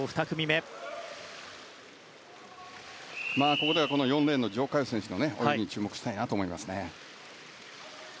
ここでは４レーンのジョ・カヨ選手の泳ぎに注目したいなと思います。